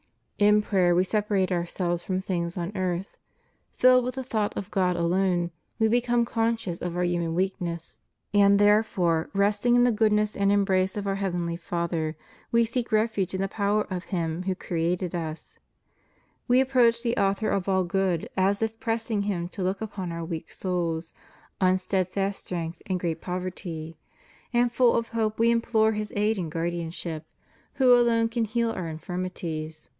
In prayer we separate ourselves from things of earth ; filled with the thought of God alone, we become conscious of our human weakness; and there fore, resting in the goodness and embrace of our Heavenly Father, we seek refuge in the power of Him who created us. We approach the Author of all good as if pressing Him to look upon our weak souls, unsteadfast strength, and great poverty; and, full of hope, we implore His aid and guardianship, who alone can heal our infirmities^ * Luke vi. 12. ' Luke xi. 9. * Luke xxii. 43. * Matt. vii. 11. 174 THE RIGHT ORDERING OF CHRISTIAN LIFE.